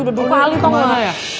udah dua kali tau nggak